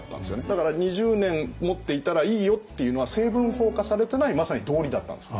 だから２０年持っていたらいいよっていうのは成文法化されてないまさに道理だったんです。